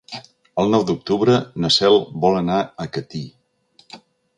El nou d'octubre na Cel vol anar a Catí.